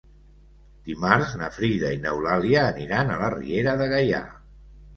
Dimarts na Frida i n'Eulàlia aniran a la Riera de Gaià.